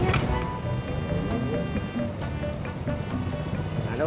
begitulu dia yang kaya kayak ya